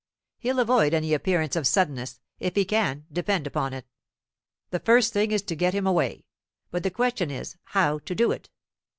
He'll avoid any appearance of suddenness, if he can, depend upon it. The first thing is to get him away. But the question is, how to do it?